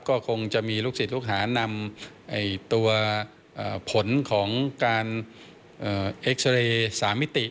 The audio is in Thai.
ก็คงจะมีลูกศิษย์ลูกหานำตัวผลของการเอ็กซาเรย์๓มิติ